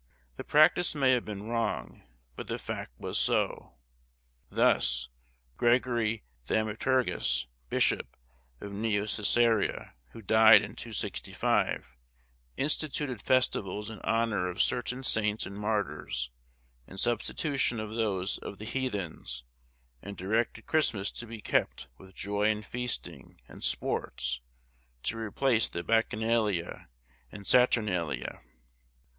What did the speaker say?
The practice may have been wrong, but the fact was so. Thus, Gregory Thaumaturgus, bishop of Neocæsarea, who died in 265, instituted festivals in honour of certain Saints and Martyrs, in substitution of those of the heathens, and directed Christmas to be kept with joy and feasting, and sports, to replace the Bacchanalia and Saturnalia.